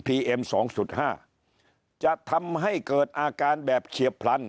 เอ็มสองจุดห้าจะทำให้เกิดอาการแบบเฉียบพลัน